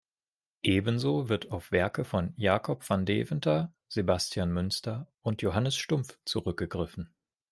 Ebenso wird auf Werke von Jacob van Deventer, Sebastian Münster und Johannes Stumpf zurückgegriffen.